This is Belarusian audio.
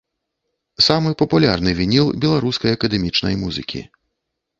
Самы папулярны вініл беларускай акадэмічнай музыкі.